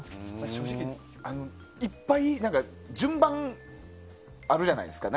正直、いっぱい順番があるじゃないですか。